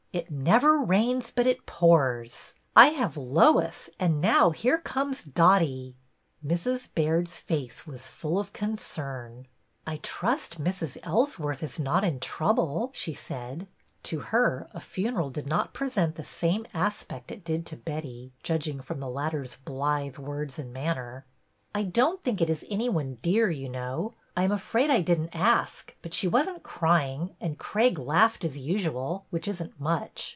'' It never rains but it pours. I have Lois and now here comes Dotty." Mrs. Baird's face was full of concern. I trust Mrs. Ellsworth is not in trouble," she said. To her a funeral did not present the same aspect it did to Betty, judging from the latter's blithe words and manner. LOIS BYRD'S COMING 6i I don't think it is any one dear, you know. I am afraid I did n't ask, but she was n't crying and Craig laughed as usual, which is n't much.